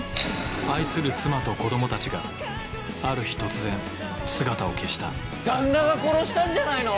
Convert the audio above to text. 愛する妻と子供たちがある日突然姿を消した旦那が殺したんじゃないの？